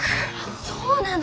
そうなの。